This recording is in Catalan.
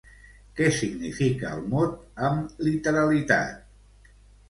Què significa el mot amb literalitat?